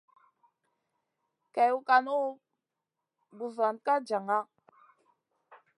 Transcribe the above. Kèwn kànu, buzuwan ka jaŋa.